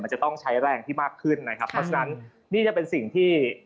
จะต้องใช้แรงที่มากขึ้นนะครับเพราะฉะนั้นนี่จะเป็นสิ่งที่